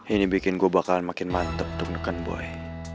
ini bikin gue bakal makin mantep tuh nekan boy